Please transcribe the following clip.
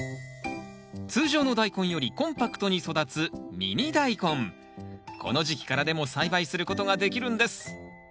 通常のダイコンよりコンパクトに育つこの時期からでも栽培することができるんです